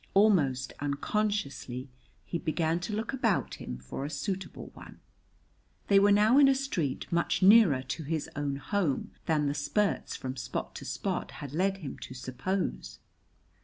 Almost unconsciously he began to look about him for a suitable one. They were now in a street much nearer to his own home than the spurts from spot to spot had led him to suppose.